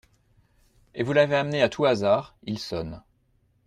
Et vous l'avez amené à tout hasard, il sonne.